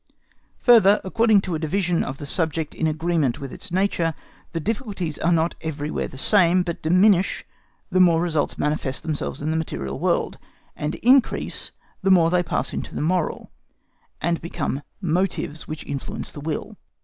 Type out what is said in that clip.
Further, according to a division of the subject in agreement with its nature, the difficulties are not everywhere the same, but diminish the more results manifest themselves in the material world, and increase the more they pass into the moral, and become motives which influence the will.